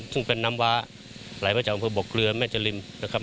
ซึ่งเป็นน้ำว้าไหลมาจากอำเภอบกเรือแม่จริมนะครับ